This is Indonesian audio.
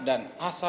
dan asam sultan